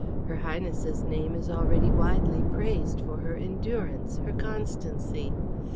Her Highness's name is already widely praised for her endurance, her constancy.